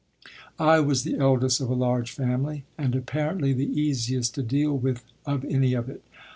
I was the eldest of a large family, and apparently the easiest to deal with of any of it.